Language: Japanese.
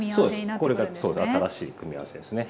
これがそう新しい組み合わせですね。